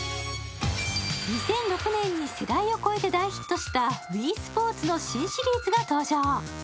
２００６年に世代を超えて大ヒットした「ＷｉｉＳｐｏｒｔｓ」の新シリーズが登場。